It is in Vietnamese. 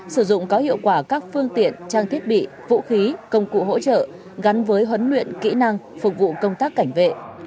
sử dụng có hiệu quả các phương tiện trang thiết bị vũ khí công cụ hỗ trợ gắn với huấn luyện kỹ năng phục vụ công tác cảnh vệ